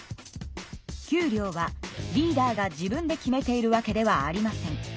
給料はリーダーが自分で決めているわけではありません。